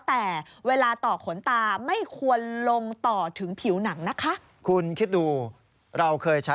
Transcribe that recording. แต่เวลาต่อขนตาไม่ควรลงต่อถึงผิวหนังนะคะ